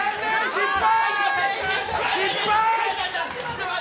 失敗！